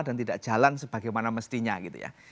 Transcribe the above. dan tidak jalan sebagaimana mestinya gitu ya